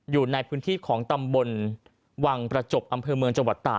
อยู่ในพื้นที่ของตำบลวังประจบอำเภอเมืองจังหวัดต่า